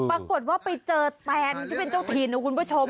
ปรากฏว่าไปเจอแตนที่เป็นเจ้าถิ่นนะคุณผู้ชม